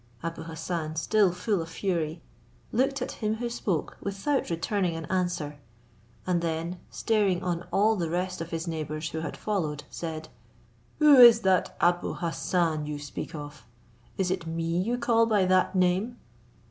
Abou Hassan, still full of fury, looked at him who spoke without returning an answer; and then staring on all the rest of his neighbours who had followed, said, "Who is that Abou Hassan you speak of? Is it me you call by that name?"